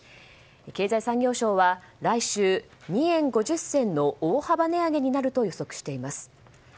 経済産業省は来週２円５０銭の大幅値上げになると予測しています。